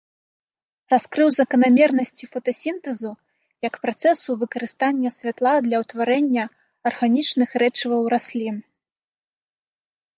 Раскрыў заканамернасці фотасінтэзу як працэсу выкарыстання святла для ўтварэння арганічных рэчываў раслін.